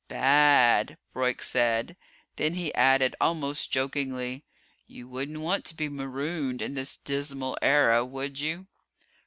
"Bad," Broyk said. Then he added, almost jokingly: "You wouldn't want to be marooned in this dismal era, would you?"